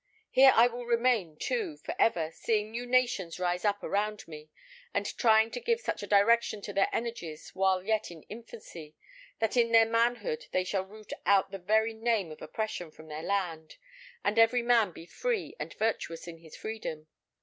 Here I will remain, too, for ever, seeing new nations rise up around me, and trying to give such a direction to their energies while yet in infancy, that in their manhood they shall root out the very name of oppression from their land, and every man be free, and virtuous in his freedom.